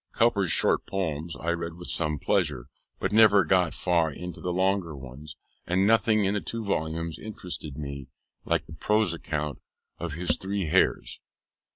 Cowper's short poems I read with some pleasure, but never got far into the longer ones; and nothing in the two volumes interested me like the prose account of his three hares.